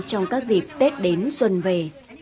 trong các dịp tết đến xuân về